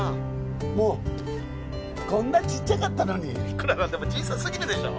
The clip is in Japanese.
もうこんなちっちゃかったのにいくら何でも小さすぎるでしょ